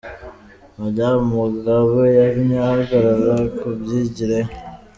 Madamu Mugabe yamye ahagarara ku myigire ye.